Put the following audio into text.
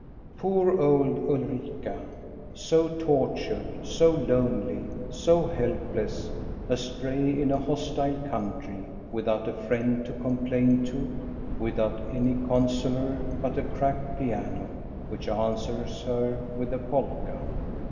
Poor old Ulrika, so tortured, so lonely, so help less, astray in a hostile country, without a friend to complain to, without any consoler but a cracked piano, which answers her with a polka.